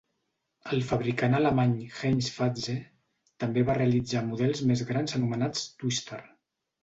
El fabricant alemany Heintz-Fahtze també va realitzar models més grans anomenats Twister.